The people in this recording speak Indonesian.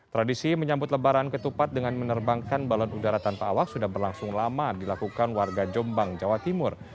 tradisi menyambut lebaran ketupat dengan menerbangkan balon udara tanpa awak sudah berlangsung lama dilakukan warga jombang jawa timur